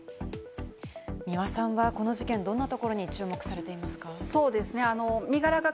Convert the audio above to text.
三輪さんはこの事件、どのようなところに注目されていますか？